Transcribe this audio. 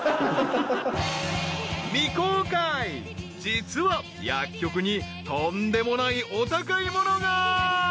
［実は薬局にとんでもないお高いものが］